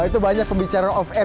itu banyak pembicaraan off air